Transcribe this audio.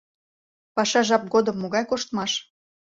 Паша жап годым могай коштмаш?